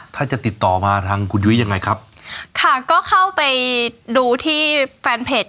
ถ้าจะติดต่อมาทางคุณยุ้ยยังไงครับค่ะก็เข้าไปดูที่แฟนเพจ